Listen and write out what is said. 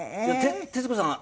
徹子さん